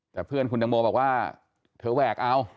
แต่เพื่อนคุณตังโมบอกว่าเธอแหวกเอา